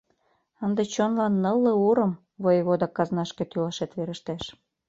Ынде чонлан нылле урым воевода казнашке тӱлашет верештеш.